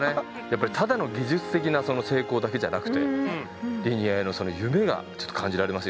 やっぱりただの技術的な成功だけじゃなくてリニアへの夢が感じられますよね。